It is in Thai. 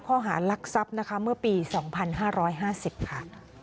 ข้อหารักทรัพย์นะคะเมื่อปี๒๕๕๐ค่ะ